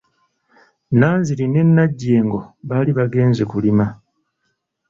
Nanziri ne Nanjjego baali bagenze kulima.